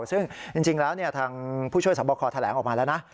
ซึ่งจริงแล้วทางผู้ช่วยสอบคอแถลงออกมาแล้วนะ